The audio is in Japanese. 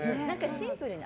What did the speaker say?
シンプルに。